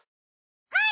はい！